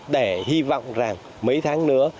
để hy vọng rằng mấy tháng nữa